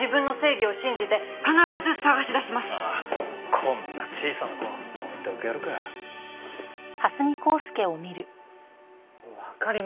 こんな小さな子を放っておけるかよ。